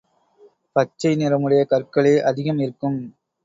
பச்சை நிறமுடைய கற்களே அதிகம் இருக்கும்.